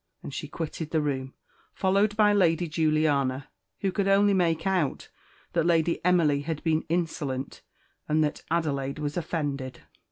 And she quitted the room, followed by Lady Juliana, who could only make out that Lady Emily had been insolent, and that Adelaide was offended.